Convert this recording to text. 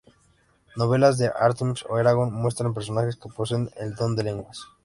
Novelas como "Artemis Fowl" o "Eragon" muestran personajes que poseen el don de lenguas.